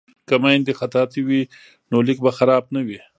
که میندې خطاطې وي نو لیک به خراب نه وي.